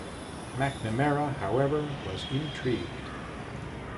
McNamara, however, was intrigued.